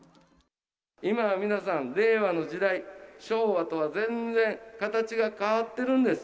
今は皆さん、令和の時代、昭和とは全然形が変わってるんです。